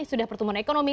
sudah pertumbuhan ekonomi